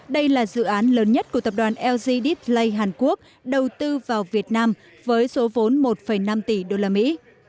đây là dự án lớn nhất của tập đoàn ld play hàn quốc đầu tư vào việt nam với số vốn một năm tỷ đô la mỹ